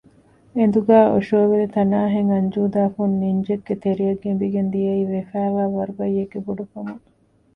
އެނދުގައި އޮށޯވެލި ތަނާހެން އަންޖޫދާ ފުން ނިންޖެއްގެ ތެރެއަށް ގެނބިގެން ދިއައީ ވެފައިވާ ވަރުބައްޔެއްގެ ބޮޑުކަމުން